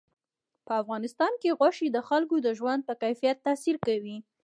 په افغانستان کې غوښې د خلکو د ژوند په کیفیت تاثیر کوي.